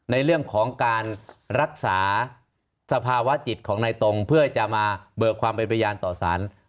ในเรื่องของการรักษาสภาวะจิตของนายตรงเพื่อจะมาเบิกความเป็นพยานต่อสาร